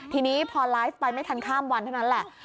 ทีนี้พอไลฟ์ไปไม่ทันข้ามวันเท่านั้นแหละ